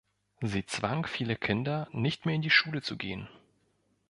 Sie zwang viele Kinder, nicht mehr in die Schule zu gehen.